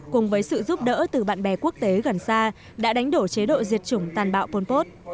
cùng với sự giúp đỡ từ bạn bè quốc tế gần xa đã đánh đổ chế độ diệt chủng tàn bạo pol pot